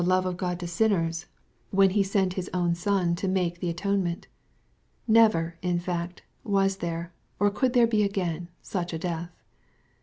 bve of Grod to sinners, when He sent His oMn Son to make the atonement. Never, in fact, was there, or could there be again, such a death.